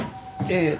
ええ。